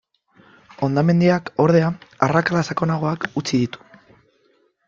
Hondamendiak, ordea, arrakala sakonagoak utzi ditu.